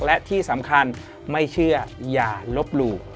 และที่สำคัญไม่เชื่ออย่าลบหลู่